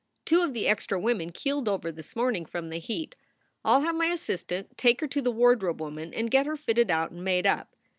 Two of the extra women keeled over this morning from the heat. I ll have my assistant take her to the wardrobe woman and get her fitted out and made up.